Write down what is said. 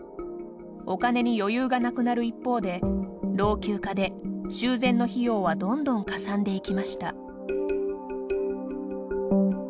お金に余裕がなくなる一方で老朽化で修繕の費用はどんどんかさんでいきました。